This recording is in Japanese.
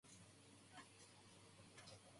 いつもどうりの君でいてね